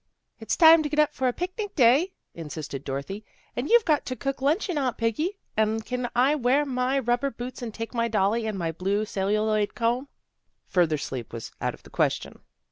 " It's time to get up for a picnic day," in sisted Dorothy. " And you've got to cook luncheon, Aunt Peggy, and can I wear my rubber boots and take my dolly and my blue celluloid comb? " Further sleep was out of the question.